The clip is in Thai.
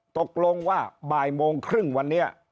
ตกลงว่าบ่ายโมงครึ่งวันนี้